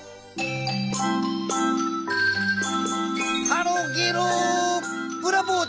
ハロゲロー。